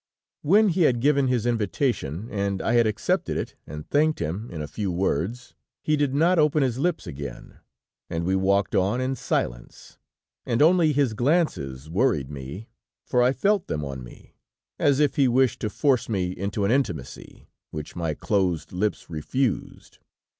When he had given his invitation, and I had accepted it and thanked him in a few words, he did not open his lips again, and we walked on in silence, and only his glances worried me, for I felt them on me, as if he wished to force me into an intimacy, which my closed lips refused.